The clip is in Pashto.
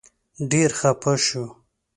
ډېر خپه شو.